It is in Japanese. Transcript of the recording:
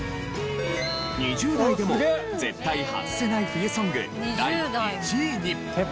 ２０代でも絶対ハズせない冬ソング第１位に。